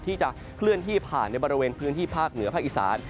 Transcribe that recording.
ที่จะเคลื่อนที่ผ่านในบริเวณพื้นที่ภาคเหนือภาคอีสาน